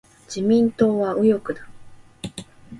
自民党は右翼だ。